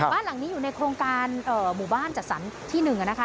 บ้านหลังนี้อยู่ในโครงการหมู่บ้านจัดสรรที่๑นะคะ